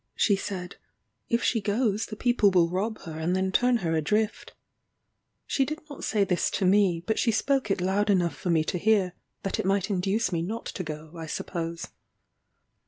She said, "If she goes the people will rob her, and then turn her adrift." She did not say this to me, but she spoke it loud enough for me to hear; that it might induce me not to go, I suppose.